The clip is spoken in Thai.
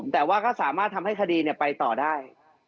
แต่ว่าก็สามารถทำให้คดีไปต่อได้